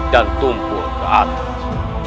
dan tumpul ke atas